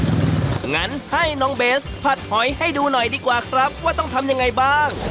งั้นให้น้องเบสผัดหอยให้ดูหน่อยดีกว่าครับว่าต้องทำยังไงบ้าง